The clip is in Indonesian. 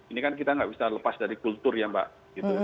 ini kan kita nggak bisa lepas dari kultur ya mbak